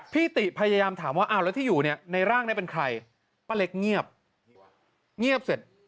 พี่ติพยายามถามว่าอ้าวแล้วที่อยู่เนี่ยในร่างเนี่ยเป็นใครป้าเล็กเงียบเงียบเสร็จ